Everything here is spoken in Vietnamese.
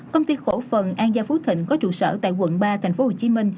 công ty cổ phần an gia phú thịnh có trụ sở tại quận ba tp hcm